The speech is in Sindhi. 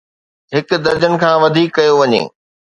هڪ درجن کان وڌيڪ ڪيو وڃي